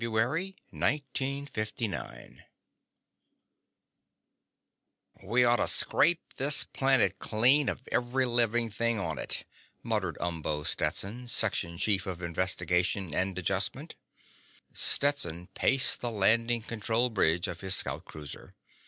_ Illustrated by van Dongen "We ought to scrape this planet clean of every living thing on it," muttered Umbo Stetson, section chief of Investigation & Adjustment. Stetson paced the landing control bridge of his scout cruiser.